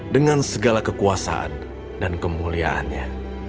dengan segala kekuasaan dan kemuliaannya